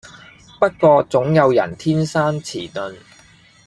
不過總有人天生遲鈍